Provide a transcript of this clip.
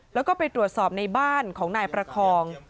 แล้วก็ไปตรวจสอบในบ้านของนายประคอง